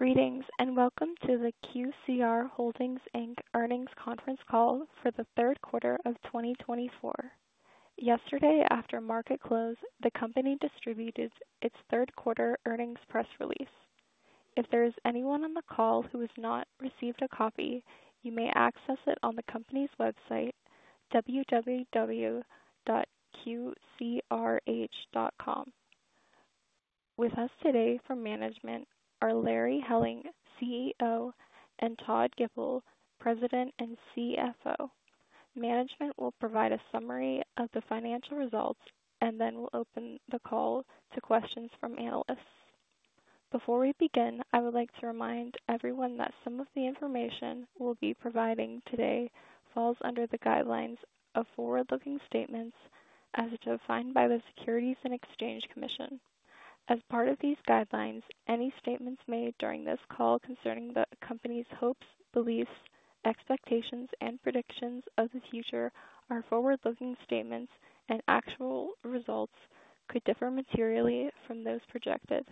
Greetings, and welcome to the QCR Holdings, Inc earnings conference call for the third quarter of 2024. Yesterday, after market close, the company distributed its third quarter earnings press release. If there is anyone on the call who has not received a copy, you may access it on the company's website, www.qcrh.com. With us today from management are Larry Helling, CEO, and Todd Gipple, President and CFO. Management will provide a summary of the financial results and then we'll open the call to questions from analysts. Before we begin, I would like to remind everyone that some of the information we'll be providing today falls under the guidelines of forward-looking statements as defined by the Securities and Exchange Commission. As part of these guidelines, any statements made during this call concerning the company's hopes, beliefs, expectations, and predictions of the future are forward-looking statements, and actual results could differ materially from those projected.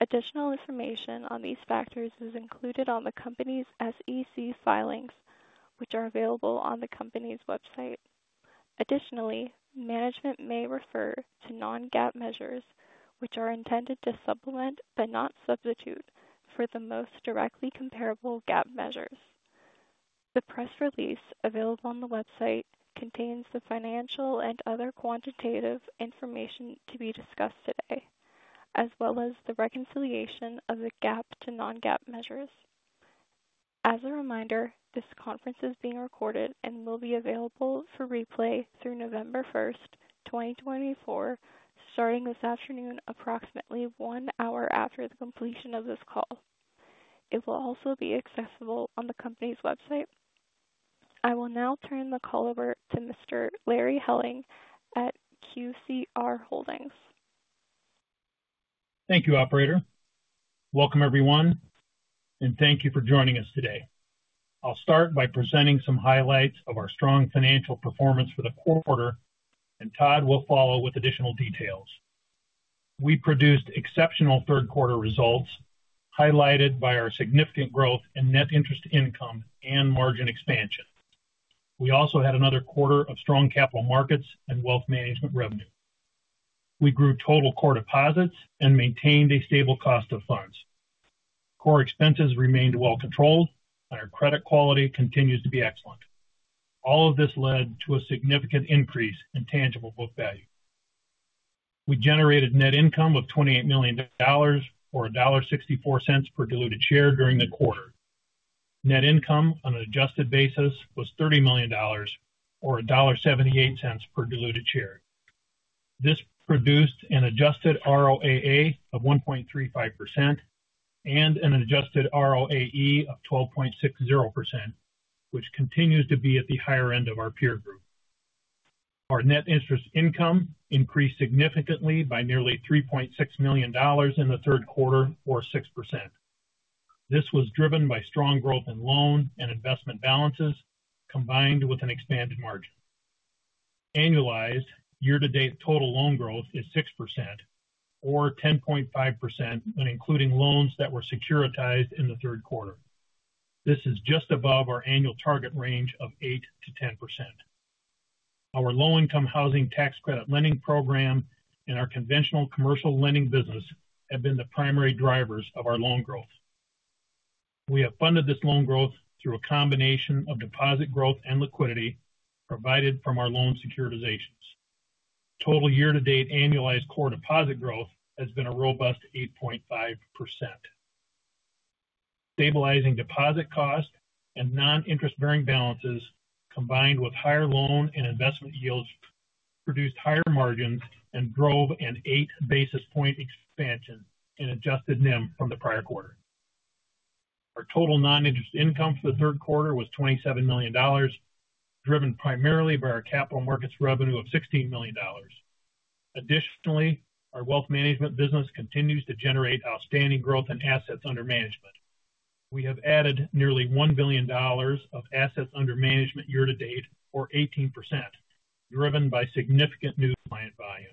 Additional information on these factors is included on the company's SEC filings, which are available on the company's website. Additionally, management may refer to non-GAAP measures, which are intended to supplement, but not substitute, for the most directly comparable GAAP measures. The press release available on the website contains the financial and other quantitative information to be discussed today, as well as the reconciliation of the GAAP to non-GAAP measures. As a reminder, this conference is being recorded and will be available for replay through November 1st, 2024, starting this afternoon, approximately one hour after the completion of this call. It will also be accessible on the company's website. I will now turn the call over to Mr. Larry Helling at QCR Holdings. Thank you, operator. Welcome, everyone, and thank you for joining us today. I'll start by presenting some highlights of our strong financial performance for the quarter, and Todd will follow with additional details. We produced exceptional third quarter results, highlighted by our significant growth in net interest income and margin expansion. We also had another quarter of strong capital markets and wealth management revenue. We grew total core deposits and maintained a stable cost of funds. Core expenses remained well controlled, and our credit quality continues to be excellent. All of this led to a significant increase in tangible book value. We generated net income of $28 million or $1.64 per diluted share during the quarter. Net income on an adjusted basis was $30 million or $1.78 per diluted share. This produced an adjusted ROAA of 1.35% and an adjusted ROAE of 12.60%, which continues to be at the higher end of our peer group. Our net interest income increased significantly by nearly $3.6 million in the third quarter, or 6%. This was driven by strong growth in loan and investment balances, combined with an expanded margin. Annualized year-to-date total loan growth is 6% or 10.5%, when including loans that were securitized in the third quarter. This is just above our annual target range of 8%-10%. Our Low-Income Housing Tax Credit lending program and our conventional commercial lending business have been the primary drivers of our loan growth. We have funded this loan growth through a combination of deposit growth and liquidity provided from our loan securitizations. Total year-to-date annualized core deposit growth has been a robust 8.5%. Stabilizing deposit costs and non-interest-bearing balances, combined with higher loan and investment yields, produced higher margins and drove an 8 basis point expansion in adjusted NIM from the prior quarter. Our total non-interest income for the third quarter was $27 million, driven primarily by our capital markets revenue of $16 million. Additionally, our wealth management business continues to generate outstanding growth in assets under management. We have added nearly $1 billion of assets under management year-to-date, or 18%, driven by significant new client volume.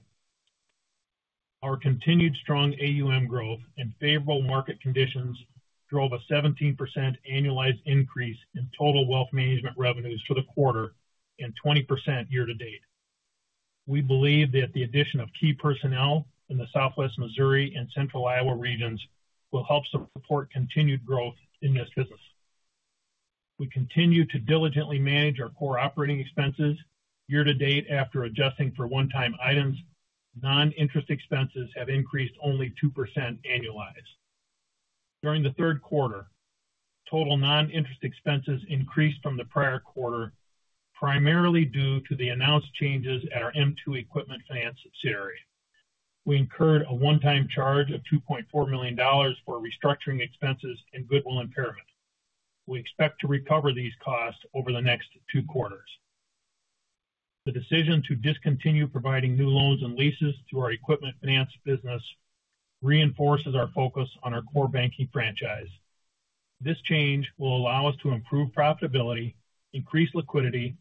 Our continued strong AUM growth and favorable market conditions drove a 17% annualized increase in total wealth management revenues for the quarter and 20% year-to-date. We believe that the addition of key personnel in the Southwest Missouri and Central Iowa regions will help support continued growth in this business. We continue to diligently manage our core operating expenses. year-to-date, after adjusting for one-time items, non-interest expenses have increased only 2% annualized. During the third quarter, total non-interest expenses increased from the prior quarter, primarily due to the announced changes at ourm2 Equipment Finance subsidiary. We incurred a one-time charge of $2.4 million for restructuring expenses and goodwill impairment. We expect to recover these costs over the next two quarters. The decision to discontinue providing new loans and leases to our equipment finance business reinforces our focus on our core banking franchise. This change will allow us to improve profitability, increase liquidity,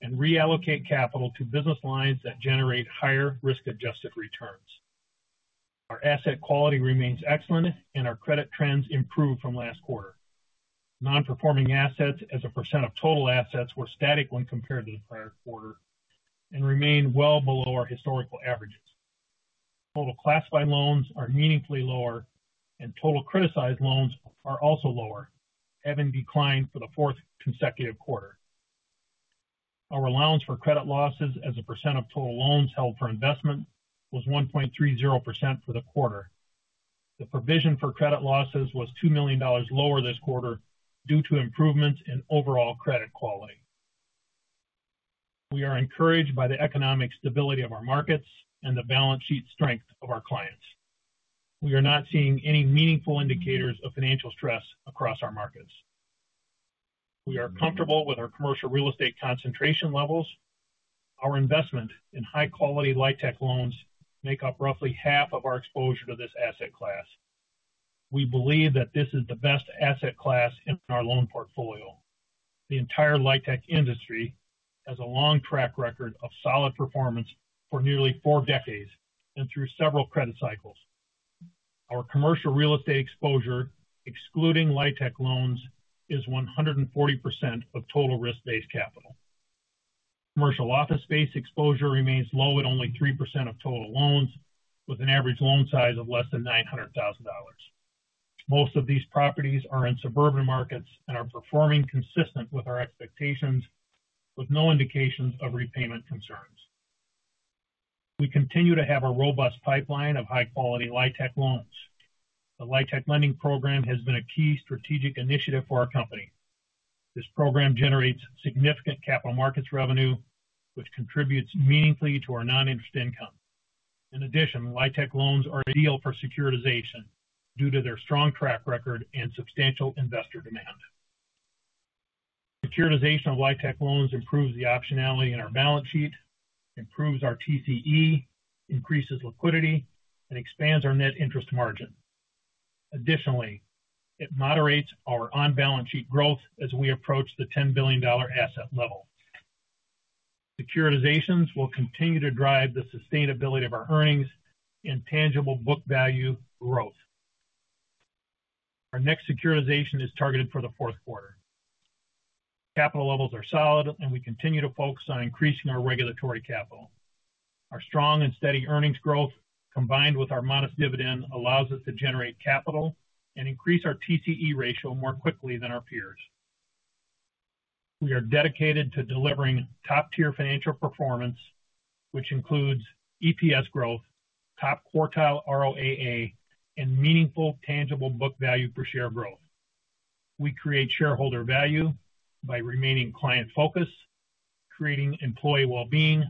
and reallocate capital to business lines that generate higher risk-adjusted returns. Our asset quality remains excellent, and our credit trends improved from last quarter. Non-performing assets as a percent of total assets were static when compared to the prior quarter and remain well below our historical averages. Total classified loans are meaningfully lower, and total criticized loans are also lower, having declined for the fourth consecutive quarter. Our allowance for credit losses as a percent of total loans held for investment was 1.30% for the quarter. The provision for credit losses was $2 million lower this quarter due to improvements in overall credit quality. We are encouraged by the economic stability of our markets and the balance sheet strength of our clients. We are not seeing any meaningful indicators of financial stress across our markets. We are comfortable with our commercial real estate concentration levels. Our investment in high-quality LIHTC loans make up roughly half of our exposure to this asset class. We believe that this is the best asset class in our loan portfolio. The entire LIHTC industry has a long track record of solid performance for nearly four decades and through several credit cycles. Our commercial real estate exposure, excluding LIHTC loans, is 140% of total risk-based capital. Commercial office space exposure remains low at only 3% of total loans, with an average loan size of less than $900,000. Most of these properties are in suburban markets and are performing consistent with our expectations, with no indications of repayment concerns. We continue to have a robust pipeline of high-quality LIHTC loans. The LIHTC lending program has been a key strategic initiative for our company. This program generates significant capital markets revenue, which contributes meaningfully to our non-interest income. In addition, LIHTC loans are ideal for securitization due to their strong track record and substantial investor demand. Securitization of LIHTC loans improves the optionality in our balance sheet, improves our TCE, increases liquidity, and expands our net interest margin. Additionally, it moderates our on-balance sheet growth as we approach the $10 billion asset level. Securitizations will continue to drive the sustainability of our earnings and tangible book value growth. Our next securitization is targeted for the fourth quarter. Capital levels are solid, and we continue to focus on increasing our regulatory capital. Our strong and steady earnings growth, combined with our modest dividend, allows us to generate capital and increase our TCE ratio more quickly than our peers. We are dedicated to delivering top-tier financial performance, which includes EPS growth, top-quartile ROAA, and meaningful tangible book value per share growth. We create shareholder value by remaining client-focused, creating employee well-being,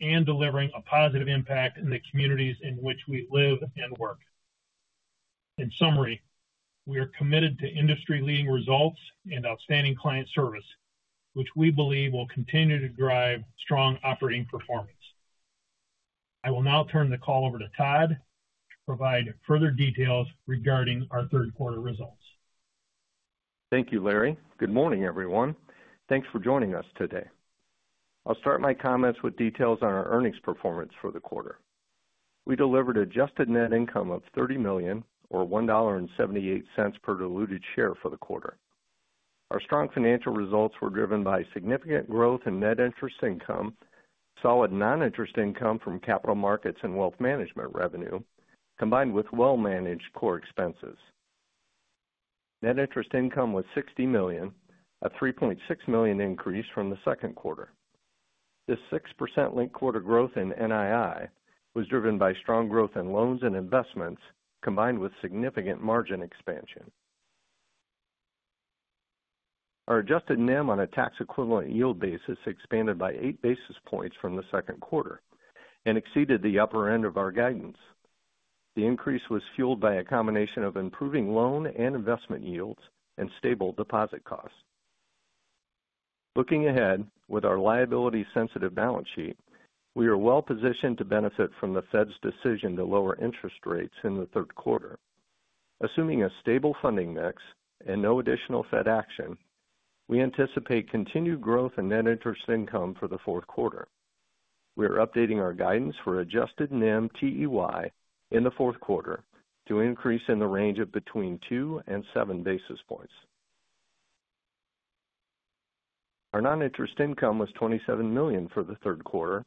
and delivering a positive impact in the communities in which we live and work. In summary, we are committed to industry-leading results and outstanding client service, which we believe will continue to drive strong operating performance. I will now turn the call over to Todd to provide further details regarding our third quarter results. Thank you, Larry. Good morning, everyone. Thanks for joining us today. I'll start my comments with details on our earnings performance for the quarter. We delivered adjusted net income of $30 million or $1.78 per diluted share for the quarter. Our strong financial results were driven by significant growth in net interest income, solid non-interest income from capital markets and wealth management revenue, combined with well-managed core expenses. Net interest income was $60 million, a $3.6 million increase from the second quarter. This 6% linked quarter growth in NII was driven by strong growth in loans and investments, combined with significant margin expansion. Our adjusted NIM on a tax equivalent yield basis expanded by eight basis points from the second quarter and exceeded the upper end of our guidance. The increase was fueled by a combination of improving loan and investment yields and stable deposit costs. Looking ahead, with our liability-sensitive balance sheet, we are well -ositioned to benefit from the Fed's decision to lower interest rates in the third quarter. Assuming a stable funding mix and no additional Fed action, we anticipate continued growth in net interest income for the fourth quarter. We are updating our guidance for adjusted NIM TEY in the fourth quarter to increase in the range of between 2 and 7 basis points. Our non-interest income was $27 million for the third quarter,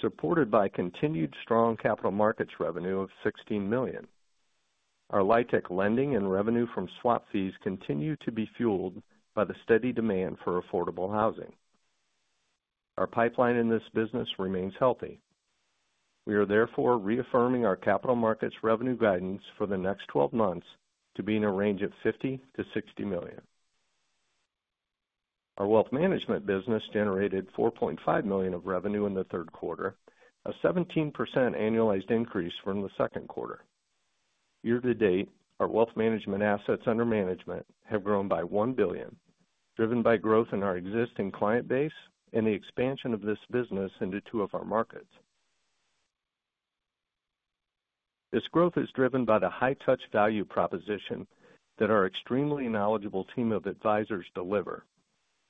supported by continued strong capital markets revenue of $16 million. Our LIHTC lending and revenue from swap fees continue to be fueled by the steady demand for affordable housing. Our pipeline in this business remains healthy. We are therefore reaffirming our capital markets revenue guidance for the next twelve months to be in a range of $50 million-$60 million. Our wealth management business generated $4.5 million of revenue in the third quarter, a 17% annualized increase from the second quarter. Year-to-date, our wealth management assets under management have grown by $1 billion, driven by growth in our existing client base and the expansion of this business into two of our markets. This growth is driven by the high-touch value proposition that our extremely knowledgeable team of advisors deliver,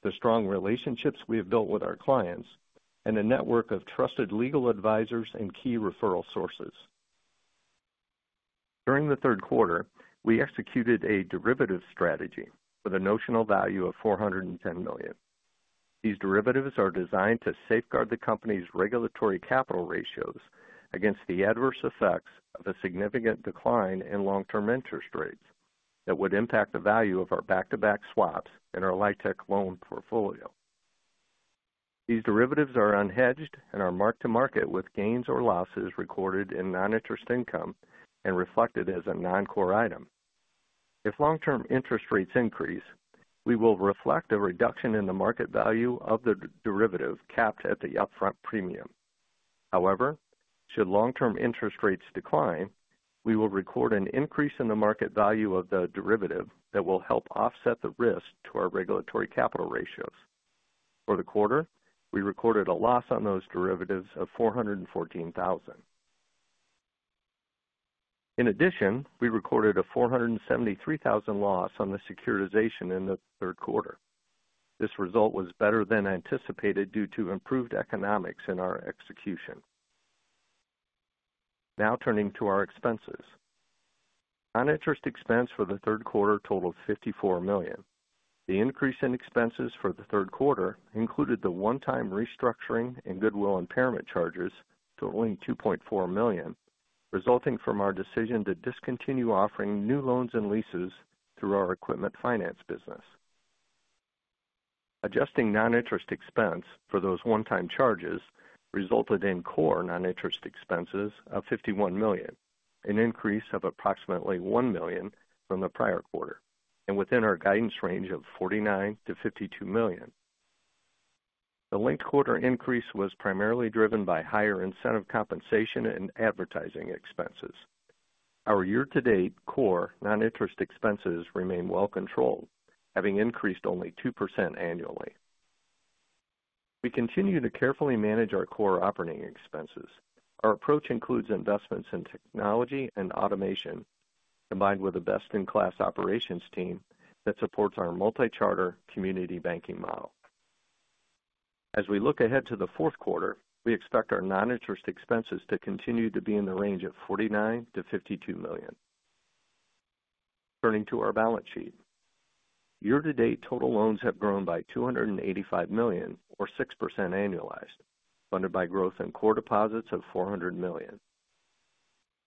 the strong relationships we have built with our clients, and a network of trusted legal advisors and key referral sources. During the third quarter, we executed a derivative strategy with a notional value of $410 million. These derivatives are designed to safeguard the company's regulatory capital ratios against the adverse effects of a significant decline in long-term interest rates that would impact the value of our back-to-back swaps and our LIHTC loan portfolio. These derivatives are unhedged and are marked to market, with gains or losses recorded in non-interest income and reflected as a non-core item. If long-term interest rates increase, we will reflect a reduction in the market value of the derivative, capped at the upfront premium. However, should long-term interest rates decline, we will record an increase in the market value of the derivative that will help offset the risk to our regulatory capital ratios. For the quarter, we recorded a loss on those derivatives of $414,000. In addition, we recorded a $473,000 loss on the securitization in the third quarter. This result was better than anticipated due to improved economics in our execution. Now turning to our expenses. Non-interest expense for the third quarter totaled $54 million. The increase in expenses for the third quarter included the one-time restructuring and goodwill impairment charges totaling $2.4 million, resulting from our decision to discontinue offering new loans and leases through our equipment finance business. Adjusting non-interest expense for those one-time charges resulted in core non-interest expenses of $51 million, an increase of approximately $1 million from the prior quarter and within our guidance range of $49 million-$52 million. The linked quarter increase was primarily driven by higher incentive compensation and advertising expenses. Our year-to-date core non-interest expenses remain well-controlled, having increased only 2% annually. We continue to carefully manage our core operating expenses. Our approach includes investments in technology and automation, combined with a best-in-class operations team that supports our multi-charter community banking model. As we look ahead to the fourth quarter, we expect our non-interest expenses to continue to be in the range of $49 million-$52 million. Turning to our balance sheet. Year-to-date, total loans have grown by $285 million or 6% annualized, funded by growth in core deposits of $400 million.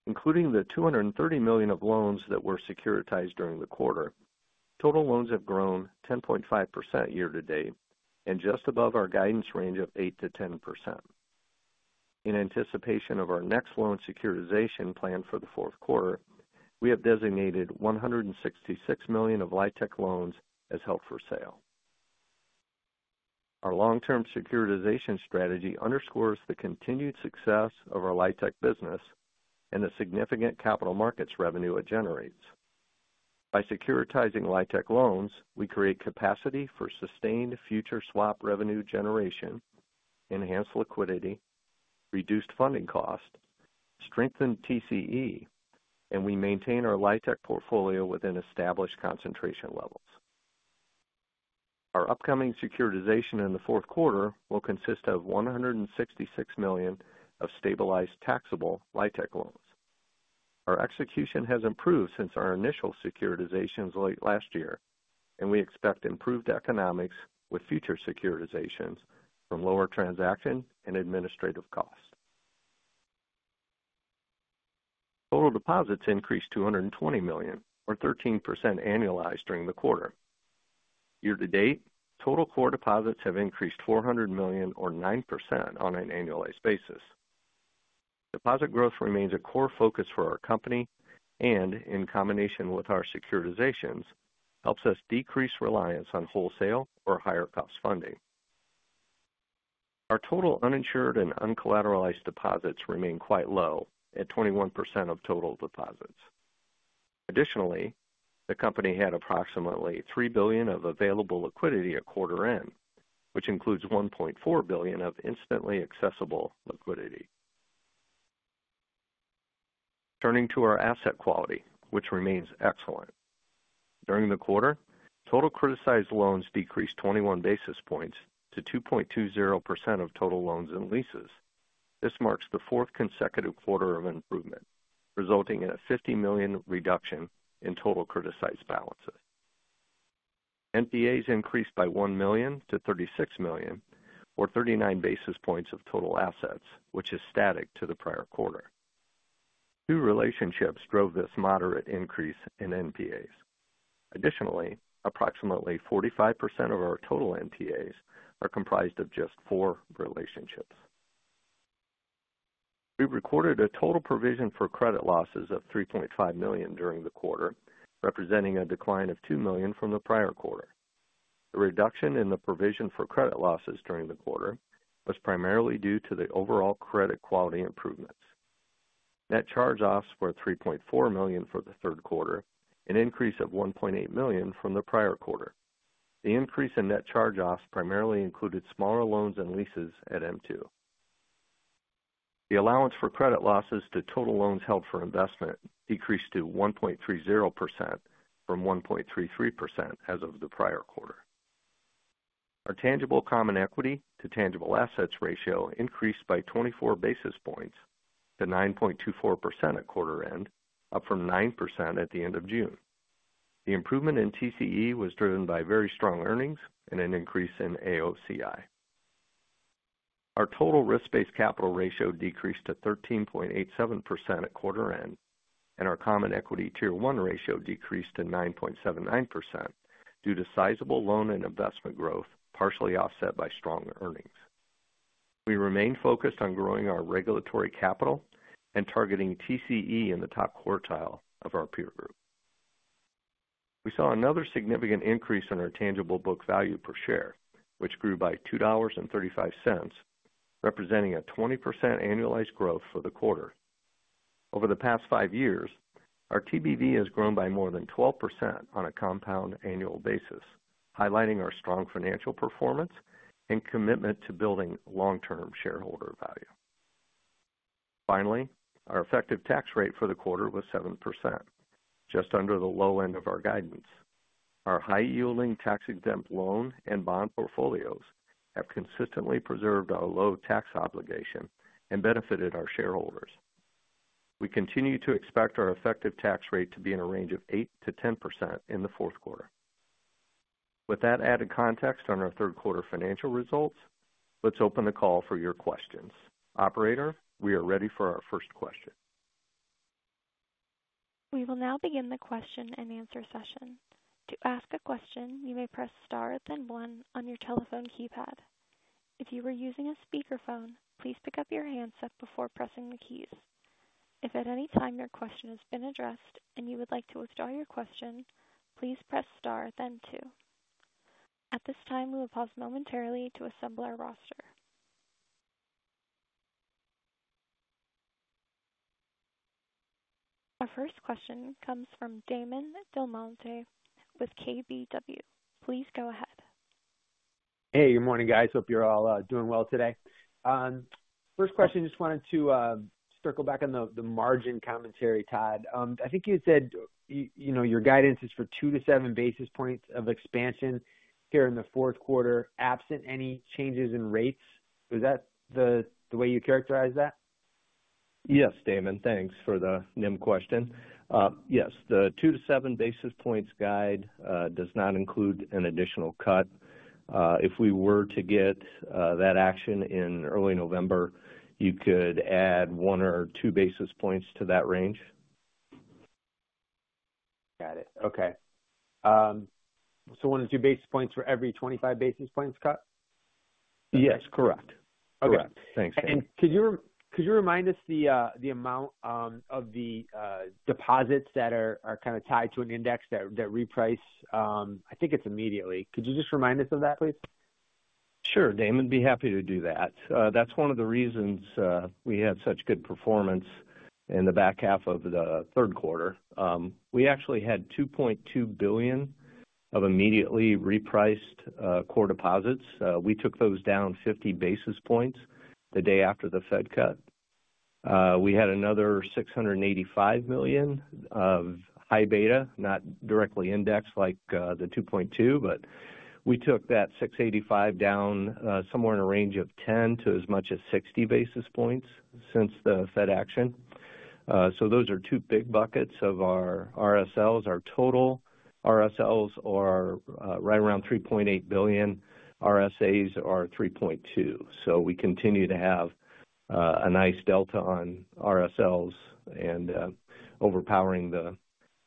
Including the $230 million of loans that were securitized during the quarter, total loans have grown 10.5% year-to-date and just above our guidance range of 8%-10%. In anticipation of our next loan securitization plan for the fourth quarter, we have designated $166 million of LIHTC loans as held for sale. Our long-term securitization strategy underscores the continued success of our LIHTC business and the significant capital markets revenue it generates. By securitizing LIHTC loans, we create capacity for sustained future swap revenue generation, enhanced liquidity, reduced funding costs, strengthened TCE, and we maintain our LIHTC portfolio within established concentration levels. Our upcoming securitization in the fourth quarter will consist of $166 million of stabilized, taxable LIHTC loans. Our execution has improved since our initial securitizations late last year, and we expect improved economics with future securitizations from lower transaction and administrative costs. Total deposits increased $220 million, or 13% annualized during the quarter. year-to-date, total core deposits have increased $400 million, or 9% on an annualized basis. Deposit growth remains a core focus for our company and in combination with our securitizations, helps us decrease reliance on wholesale or higher cost funding. Our total uninsured and uncollateralized deposits remain quite low at 21% of total deposits. Additionally, the company had approximately $3 billion of available liquidity at quarter end, which includes $1.4 billion of instantly accessible liquidity. Turning to our asset quality, which remains excellent. During the quarter, total criticized loans decreased 21 basis points to 2.20% of total loans and leases. This marks the fourth consecutive quarter of improvement, resulting in a $50 million reduction in total criticized balances. NPAs increased by $1 million-$36 million, or 39 basis points of total assets, which is static to the prior quarter. New relationships drove this moderate increase in NPAs. Additionally, approximately 45% of our total NPAs are comprised of just four relationships. We recorded a total provision for credit losses of $3.5 million during the quarter, representing a decline of $2 million from the prior quarter. The reduction in the provision for credit losses during the quarter was primarily due to the overall credit quality improvements. Net charge-offs were $3.4 million for the third quarter, an increase of $1.8 million from the prior quarter. The increase in net charge-offs primarily included smaller loans and leases atm2. The allowance for credit losses to total loans held for investment decreased to 1.30% from 1.33% as of the prior quarter. Our tangible common equity to tangible assets ratio increased by 24 basis points to 9.24% at quarter end, up from 9% at the end of June. The improvement in TCE was driven by very strong earnings and an increase in AOCI. Our total risk-based capital ratio decreased to 13.87% at quarter end, and our Common Equity Tier 1 ratio decreased to 9.79% due to sizable loan and investment growth, partially offset by strong earnings. We remain focused on growing our regulatory capital and targeting TCE in the top quartile of our peer group. We saw another significant increase in our tangible book value per share, which grew by $2.35, representing a 20% annualized growth for the quarter. Over the past five years, our TBV has grown by more than 12% on a compound annual basis, highlighting our strong financial performance and commitment to building long-term shareholder value. Finally, our effective tax rate for the quarter was 7%, just under the low end of our guidance. Our high-yielding, tax-exempt loan and bond portfolios have consistently preserved our low tax obligation and benefited our shareholders. We continue to expect our effective tax rate to be in a range of 8%-10% in the fourth quarter. With that added context on our third quarter financial results, let's open the call for your questions. Operator, we are ready for our first question. We will now begin the question-and-answer session. To ask a question, you may press star, then one on your telephone keypad. If you are using a speakerphone, please pick up your handset before pressing the keys. If at any time your question has been addressed and you would like to withdraw your question, please press star then two. At this time, we will pause momentarily to assemble our roster. Our first question comes from Damon DelMonte with KBW. Please go ahead. Hey, good morning, guys. Hope you're all doing well today. First question, just wanted to circle back on the margin commentary, Todd. I think you had said, you know, your guidance is for 2-7 basis points of expansion here in the fourth quarter, absent any changes in rates. Is that the way you characterize that? Yes, Damon. Thanks for the NIM question. Yes, the 2-7 basis points guide does not include an additional cut. If we were to get that action in early November, you could add one or two basis points to that range. Got it. Okay. So one or two basis points for every 25 basis points cut? Yes, correct. Okay. Yes, correct. Thanks, Damon. Could you remind us of the amount of the deposits that are kind of tied to an index that reprice, I think it's immediately? Could you just remind us of that, please? Sure, Damon, be happy to do that. That's one of the reasons we had such good performance in the back half of the third quarter. We actually had 2.2 billion of immediately repriced core deposits. We took those down 50 basis points the day after the Fed cut. We had another 685 million of high beta, not directly indexed like the 2.2, but we took that 685 down somewhere in a range of 10 to as much as 60 basis points since the Fed action, so those are two big buckets of our RSLs. Our total RSLs are right around 3.8 billion. RSAs are 3.2. So we continue to have a nice delta on RSLs and overpowering the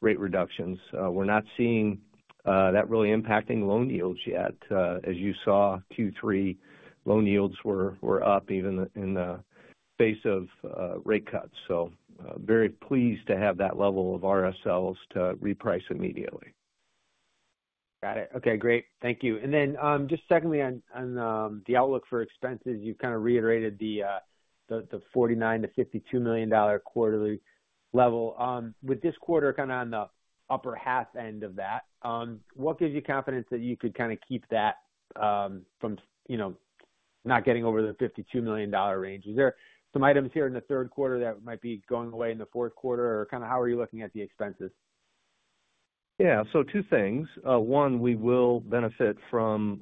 rate reductions. We're not seeing that really impacting loan yields yet. As you saw, Q3 loan yields were up even in the face of rate cuts. So, very pleased to have that level of RSLs to reprice immediately. Got it. Okay, great. Thank you. And then, just secondly, on the outlook for expenses, you kind of reiterated the $49 million-$52 million quarterly level, with this quarter kind of on the upper half end of that. What gives you confidence that you could kind of keep that from, you know, not getting over the $52 million range? Is there some items here in the third quarter that might be going away in the fourth quarter, or kind of how are you looking at the expenses? Yeah, so two things. One, we will benefit from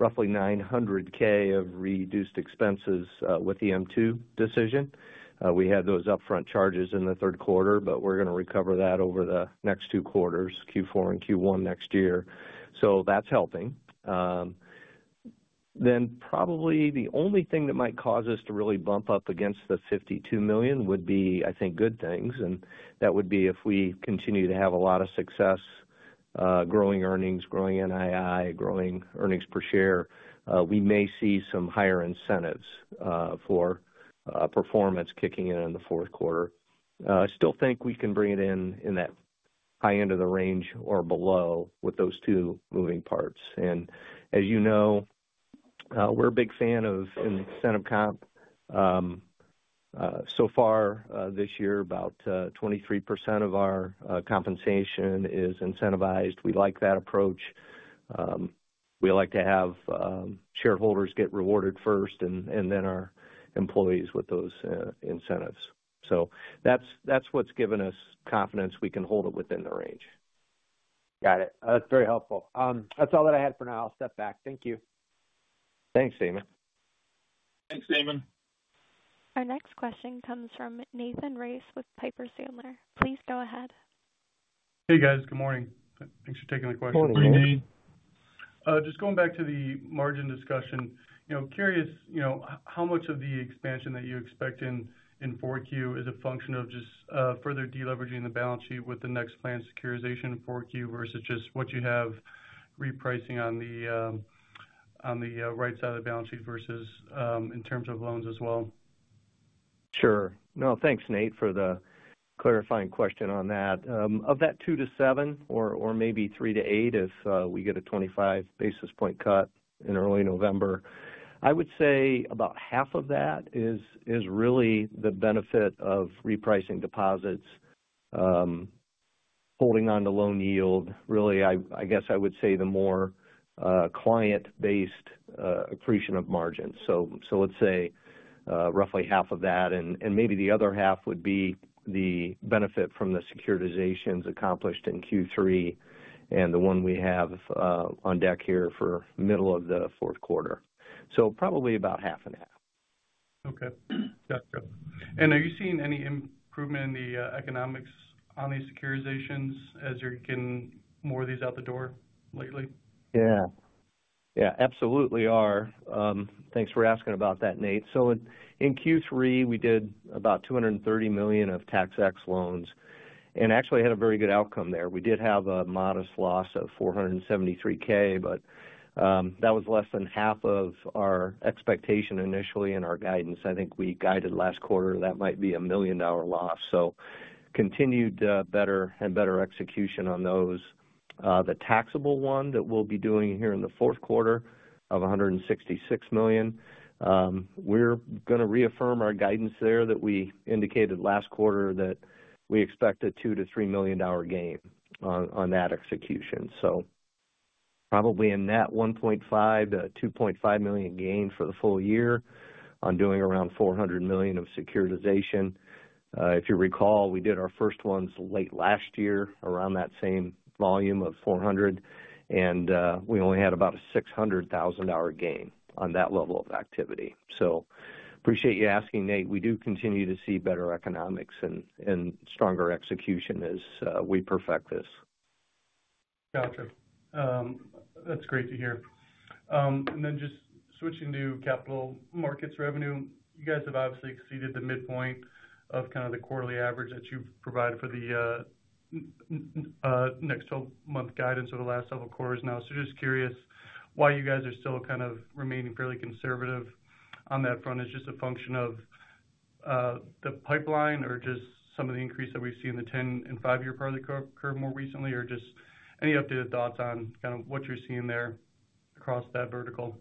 roughly $900,000 of reduced expenses with them2 decision. We had those upfront charges in the third quarter, but we're going to recover that over the next two quarters, Q4 and Q1 next year. So that's helping. Then probably the only thing that might cause us to really bump up against the $52 million would be, I think, good things, and that would be if we continue to have a lot of success growing earnings, growing NII, growing earnings per share, we may see some higher incentives for performance kicking in in the fourth quarter. I still think we can bring it in in that high end of the range or below with those two moving parts. We're a big fan of incentive comp. So far, this year, about 23% of our compensation is incentivized. We like that approach. We like to have shareholders get rewarded first and then our employees with those incentives. So that's what's given us confidence we can hold it within the range. Got it. That's very helpful. That's all that I had for now. I'll step back. Thank you. Thanks, Damon. Thanks, Damon. Our next question comes from Nathan Race with Piper Sandler. Please go ahead. Hey, guys. Good morning. Thanks for taking my question. Good morning, Nate. Just going back to the margin discussion. You know, curious, you know, how much of the expansion that you expect in 4Q is a function of just further deleveraging the balance sheet with the next planned securitization in 4Q, versus just what you have repricing on the right side of the balance sheet versus in terms of loans as well? Sure. No, thanks, Nate, for the clarifying question on that. Of that 2-7, or maybe 3-8, if we get a 25 basis point cut in early November, I would say about half of that is really the benefit of repricing deposits, holding on to loan yield. Really, I guess I would say the more client-based accretion of margins. So let's say roughly half of that, and maybe the other half would be the benefit from the securitizations accomplished in Q3 and the one we have on deck here for middle of the fourth quarter. So probably about half of that. Okay. Got you, and are you seeing any improvement in the economics on these securitizations as you're getting more of these out the door lately? Yeah. Yeah, absolutely are. Thanks for asking about that, Nate. So in Q3, we did about 230 million of LIHTC loans and actually had a very good outcome there. We did have a modest loss of $473,000, but that was less than half of our expectation initially in our guidance. I think we guided last quarter that might be a $1 million loss. So continued better and better execution on those. The taxable one that we'll be doing here in the fourth quarter of 166 million, we're going to reaffirm our guidance there that we indicated last quarter that we expect a $2 million-$3 million gain on that execution. So probably a net $1.5 million-$2.5 million gain for the full year on doing around $400 million of securitization. If you recall, we did our first ones late last year, around that same volume of 400,000 and we only had about a $600,000 gain on that level of activity. So appreciate you asking, Nate. We do continue to see better economics and stronger execution as we perfect this. Got you. That's great to hear. And then just switching to capital markets revenue, you guys have obviously exceeded the midpoint of kind of the quarterly average that you've provided for the next 12-month guidance over the last several quarters now. So just curious why you guys are still kind of remaining fairly conservative on that front. Is it just a function of the pipeline or just some of the increase that we've seen in the 10- and five-year part of the curve more recently? Or just any updated thoughts on kind of what you're seeing there across that vertical?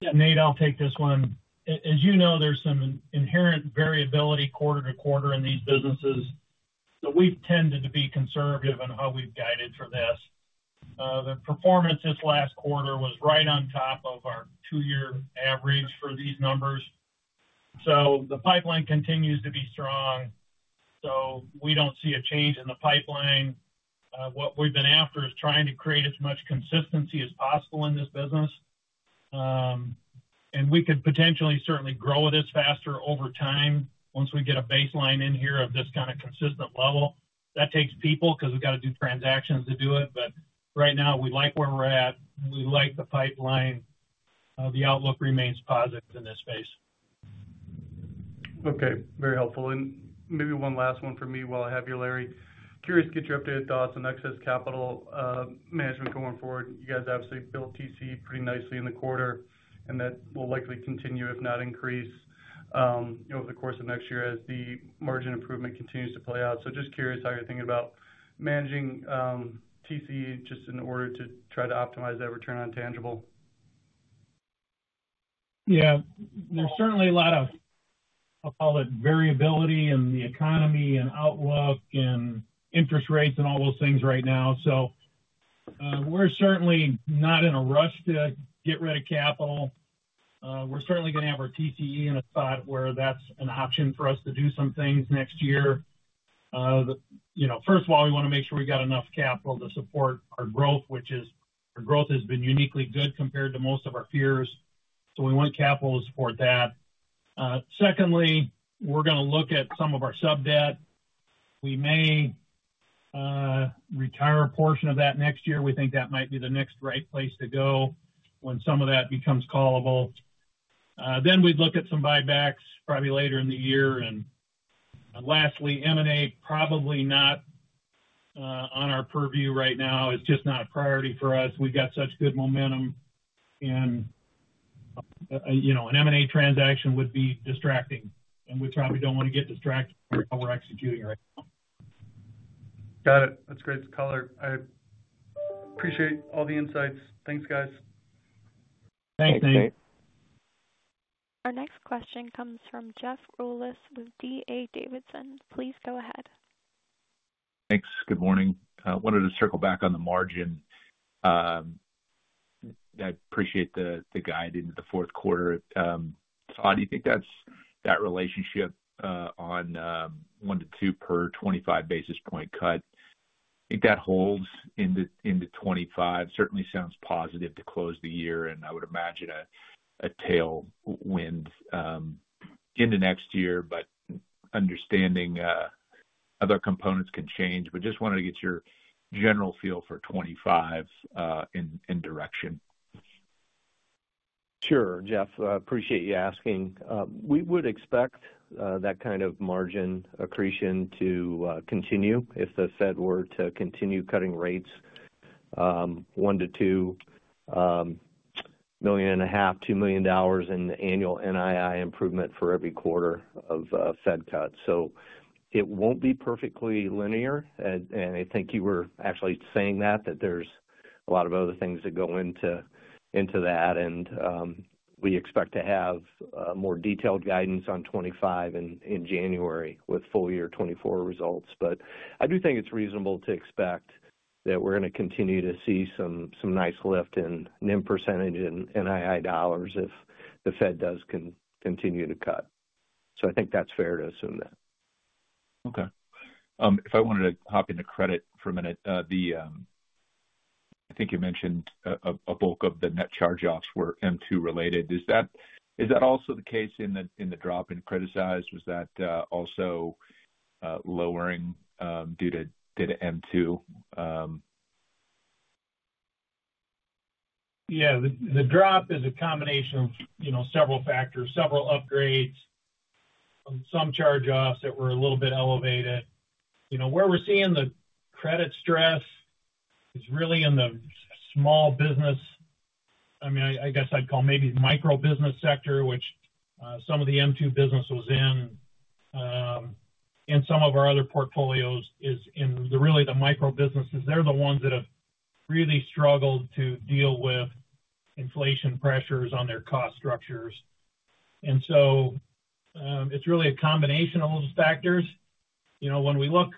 Yeah, Nate, I'll take this one. As you know, there's some inherent variability quarter to quarter in these businesses, so we've tended to be conservative on how we've guided for this. The performance this last quarter was right on top of our two-year average for these numbers. So the pipeline continues to be strong, so we don't see a change in the pipeline. What we've been after is trying to create as much consistency as possible in this business. And we could potentially certainly grow this faster over time once we get a baseline in here of this kind of consistent level. That takes people because we've got to do transactions to do it, but right now, we like where we're at, and we like the pipeline. The outlook remains positive in this space. Okay, very helpful, and maybe one last one for me while I have you, Larry. Curious to get your updated thoughts on excess capital, management going forward. You guys obviously built TCE pretty nicely in the quarter, and that will likely continue, if not increase, over the course of next year as the margin improvement continues to play out. So, just curious how you're thinking about managing, TCE, just in order to try to optimize that return on tangible? Yeah. There's certainly a lot of, I'll call it, variability in the economy and outlook and interest rates and all those things right now. So, we're certainly not in a rush to get rid of capital. We're certainly going to have our TCE in a spot where that's an option for us to do some things next year. You know, first of all, we want to make sure we've got enough capital to support our growth, which is our growth has been uniquely good compared to most of our peers, so we want capital to support that. Secondly, we're going to look at some of our sub-debt. We may retire a portion of that next year. We think that might be the next right place to go when some of that becomes callable. Then we'd look at some buybacks probably later in the year. And lastly, M&A, probably not, on our purview right now. It's just not a priority for us. We've got such good momentum and, you know, an M&A transaction would be distracting, and we probably don't want to get distracted from how we're executing right now. Got it. That's great color. I appreciate all the insights. Thanks, guys. Thanks, Nate. Our next question comes from Jeff Rulis with D.A. Davidson. Please go ahead. Thanks. Good morning. I wanted to circle back on the margin. I appreciate the guide into the fourth quarter. So how do you think that's- that relationship on one to two per 25 basis point cut? I think that holds into 2025. Certainly sounds positive to close the year, and I would imagine a tailwind into next year. But understanding other components can change. But just wanted to get your general feel for 2025 in direction. Sure, Jeff, I appreciate you asking. We would expect that kind of margin accretion to continue if the Fed were to continue cutting rates, $1.5 million-$2 million in annual NII improvement for every quarter of Fed cut. So it won't be perfectly linear. And I think you were actually saying that there's a lot of other things that go into that. And we expect to have more detailed guidance on 2025 in January with full year 2024 results. But I do think it's reasonable to expect that we're going to continue to see some nice lift in NIM percentage in NII dollars if the Fed does continue to cut. So I think that's fair to assume that. Okay. If I wanted to hop into credit for a minute, I think you mentioned a bulk of the net charge-offs werem2 related. Is that also the case in the drop in credit size? Was that also lowering due tom2? Yeah, the drop is a combination of, you know, several factors, several upgrades, some charge-offs that were a little bit elevated. You know, where we're seeing the credit stress is really in the small business. I mean, I guess I'd call maybe micro-business sector, which some of them2 business was in. And some of our other portfolios is really in the micro businesses. They're the ones that have really struggled to deal with inflation pressures on their cost structures. And so, it's really a combination of those factors. You know, when we look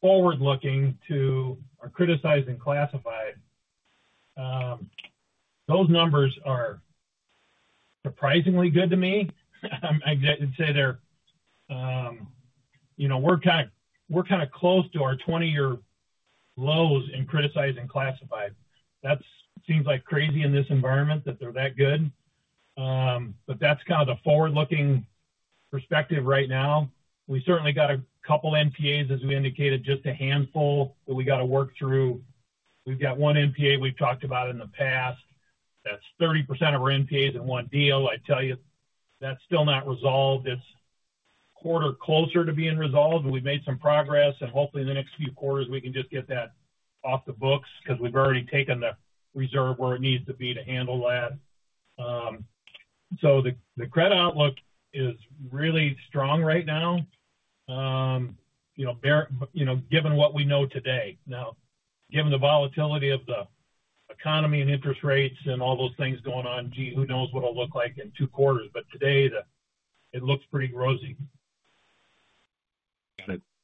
forward-looking to our criticized and classified, those numbers are surprisingly good to me. I'd say they're, you know, we're kind of close to our 20-year lows in criticized and classified. That seems like crazy in this environment that they're that good. But that's kind of the forward-looking perspective right now. We certainly got a couple NPAs, as we indicated, just a handful that we got to work through. We've got one NPA we've talked about in the past. That's 30% of our NPAs in one deal. I tell you, that's still not resolved. It's a quarter closer to being resolved, and we've made some progress. And hopefully, in the next few quarters, we can just get that off the books because we've already taken the reserve where it needs to be to handle that. So the credit outlook is really strong right now. You know, given what we know today. Now, given the volatility of the economy and interest rates and all those things going on, gee, who knows what it'll look like in two quarters? But today, it looks pretty rosy.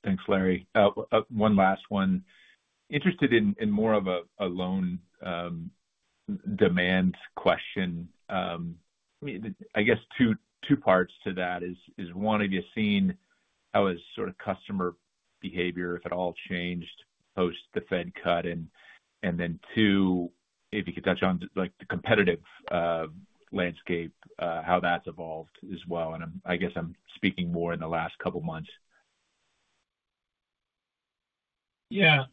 Got it. Thanks, Larry. One last one. Interested in more of a loan demand question. I mean, I guess two parts to that is one, have you seen how a sort of customer behavior, if at all, changed post the Fed cut? And then two, if you could touch on, like, the competitive landscape, how that's evolved as well. And I guess I'm speaking more in the last couple of months. Yeah.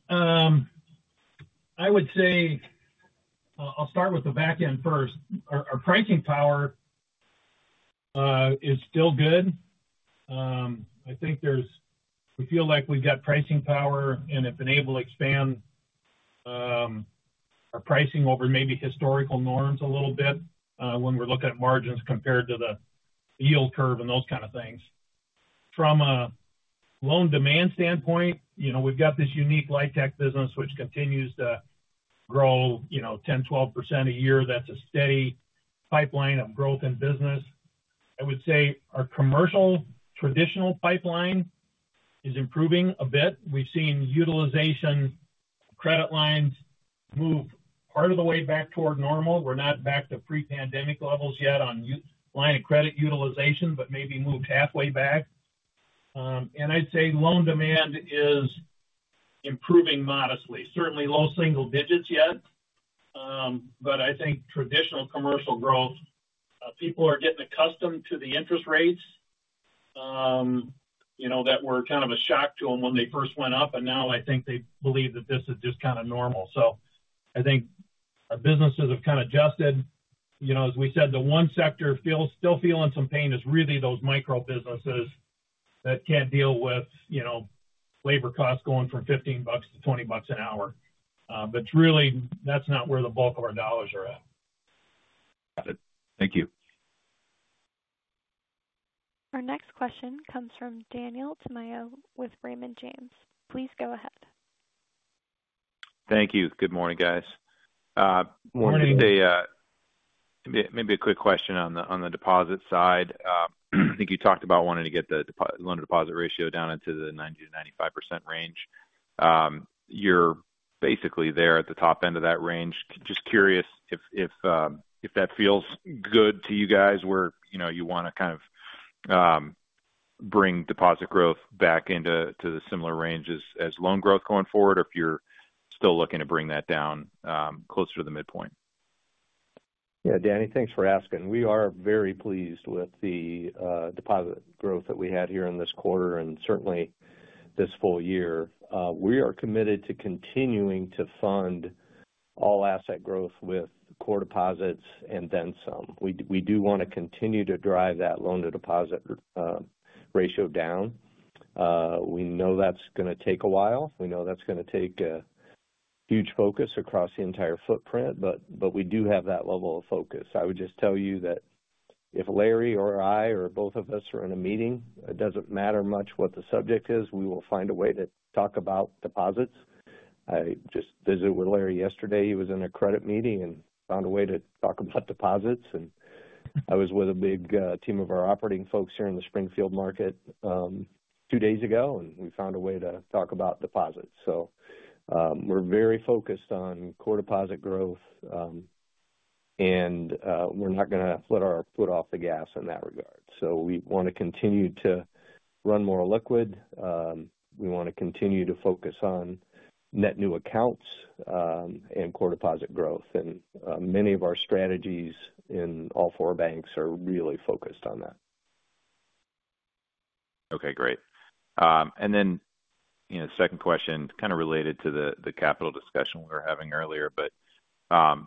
I'll start with the back end first. Our pricing power is still good. I think there's. We feel like we've got pricing power and have been able to expand our pricing over maybe historical norms a little bit when we're looking at margins compared to the yield curve and those kind of things. From a loan demand standpoint, you know, we've got this unique LIHTC business, which continues to grow, you know, 10-12% a year. That's a steady pipeline of growth in business. I would say our commercial traditional pipeline is improving a bit. We've seen utilization credit lines move part of the way back toward normal. We're not back to pre-pandemic levels yet on line of credit utilization, but maybe moved halfway back. And I'd say loan demand is improving modestly. Certainly low single digits yet, but I think traditional commercial growth, people are getting accustomed to the interest rates, you know, that were kind of a shock to them when they first went up, and now I think they believe that this is just kind of normal. So I think our businesses have kind of adjusted. You know, as we said, the one sector still feeling some pain is really those micro businesses that can't deal with, you know, labor costs going from 15 bucks to 20 bucks an hour. But really, that's not where the bulk of our dollars are at. Got it. Thank you. Our next question comes from Daniel Tamayo with Raymond James. Please go ahead. Thank you. Good morning, guys. Good morning. Just a maybe a quick question on the deposit side. I think you talked about wanting to get the loan to deposit ratio down into the 90%-95% range. You're basically there at the top end of that range. Just curious if that feels good to you guys, where you know you want to kind of bring deposit growth back into the similar range as loan growth going forward, or if you're still looking to bring that down closer to the midpoint? Yeah, Danny, thanks for asking. We are very pleased with the deposit growth that we had here in this quarter and certainly this full year. We are committed to continuing to fund all asset growth with core deposits and then some. We do want to continue to drive that loan-to-deposit ratio down. We know that's going to take a while. We know that's going to take a huge focus across the entire footprint, but we do have that level of focus. I would just tell you that if Larry or I or both of us are in a meeting, it doesn't matter much what the subject is, we will find a way to talk about deposits. I just visited with Larry yesterday. He was in a credit meeting and found a way to talk about deposits. And I was with a big team of our operating folks here in the Springfield market two days ago, and we found a way to talk about deposits. So we're very focused on core deposit growth, and we're not going to let our foot off the gas in that regard. So we want to continue to run more liquid. We want to continue to focus on net new accounts, and core deposit growth. And many of our strategies in all four banks are really focused on that. Okay, great, and then, you know, second question, kind of related to the capital discussion we were having earlier, but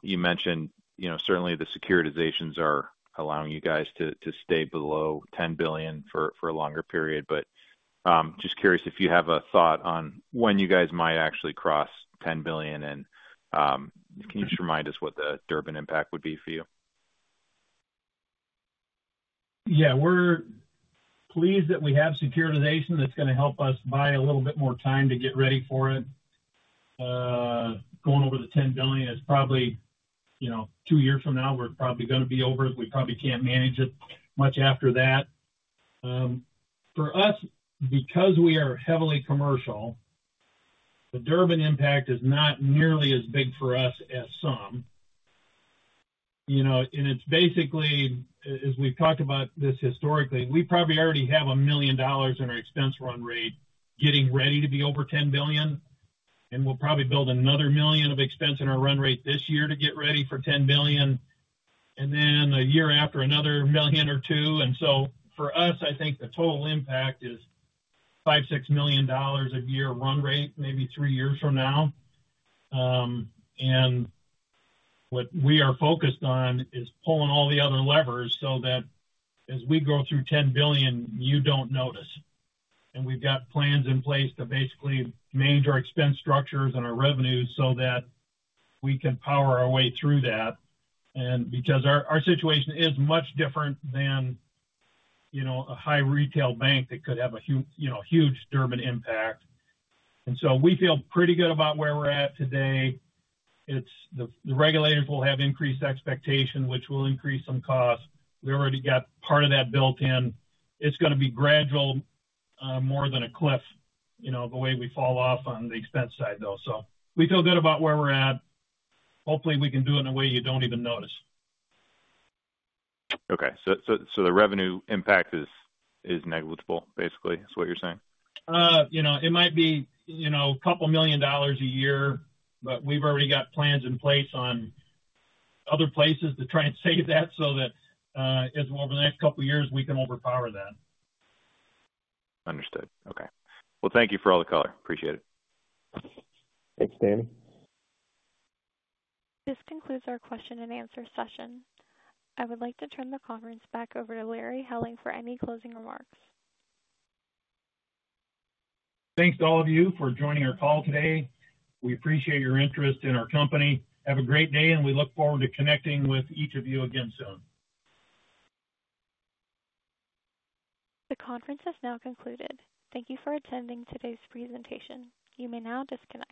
you mentioned, you know, certainly the securitizations are allowing you guys to stay below $10 billion for a longer period. But just curious if you have a thought on when you guys might actually cross $10 billion, and can you just remind us what the Durbin impact would be for you? Yeah, we're pleased that we have securitization. That's going to help us buy a little bit more time to get ready for it. Going over the $10 billion is probably, you know, two years from now, we're probably going to be over it. We probably can't manage it much after that. For us, because we are heavily commercial, the Durbin impact is not nearly as big for us as some. You know, and it's basically, as we've talked about this historically, we probably already have $1 million in our expense run rate, getting ready to be over $10 billion, and we'll probably build another $1 million of expense in our run rate this year to get ready for $10 billion, and then the year after, another $1 million or $2 million. And so for us, I think the total impact is $5 million-$6 million a year run rate, maybe three years from now. And what we are focused on is pulling all the other levers so that as we go through $10 billion, you don't notice. And we've got plans in place to basically manage our expense structures and our revenues so that we can power our way through that. And because our situation is much different than, you know, a high retail bank that could have a huge, you know, huge Durbin impact. And so we feel pretty good about where we're at today. It's the regulators will have increased expectation, which will increase some costs. We already got part of that built in. It's going to be gradual, more than a cliff, you know, the way we fall off on the expense side, though. So we feel good about where we're at. Hopefully, we can do it in a way you don't even notice. Okay. The revenue impact is negligible, basically, is what you're saying? You know, it might be, you know, $2 million a year, but we've already got plans in place on other places to try and save that, so that, as over the next couple of years, we can overpower that. Understood. Okay. Well, thank you for all the color. Appreciate it. Thanks, Danny. This concludes our question and answer session. I would like to turn the conference back over to Larry Helling for any closing remarks. Thanks to all of you for joining our call today. We appreciate your interest in our company. Have a great day, and we look forward to connecting with each of you again soon. The conference has now concluded. Thank you for attending today's presentation. You may now disconnect.